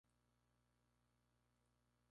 Fue diputado en las Cortes de Cádiz por Baleares.